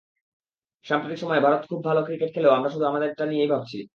সাম্প্রতিক সময়ে ভারত খুব ভালো ক্রিকেট খেললেও আমরা শুধু আমাদেরটা নিয়েই ভাবছি।